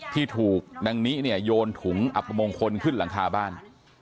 ที่ถูกนางนิเนี่ยโยนถุงอับมงคลขึ้นหลังคาบ้าน